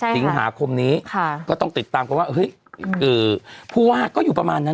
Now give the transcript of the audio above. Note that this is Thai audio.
ถึงหาคมนี้ก็ต้องติดตามครูห้าก็อยู่ประมาณนั้น